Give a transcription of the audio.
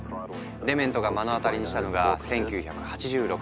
デメントが目の当たりにしたのが１９８６年。